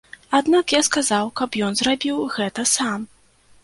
Аднак я сказаў, каб ён зрабіў гэта сам.